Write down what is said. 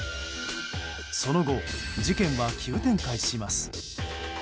その後、事件は急展開します。